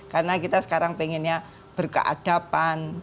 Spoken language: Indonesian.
karena kita sekarang pengennya berkeadapan